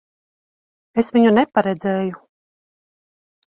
Es viņu neparedzēju.